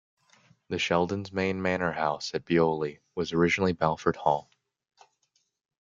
The Sheldons' main manor house at Beoley was originally Balford Hall.